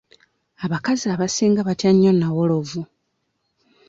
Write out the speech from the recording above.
Aabakazi abasinga batya nnyo nnawolovu.